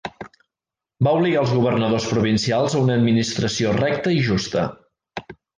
Va obligar els governadors provincials a una administració recta i justa.